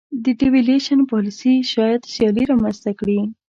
د devaluation پالیسي شاید سیالي رامنځته کړي.